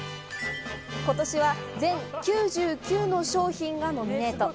今年は全９９の商品がノミネート。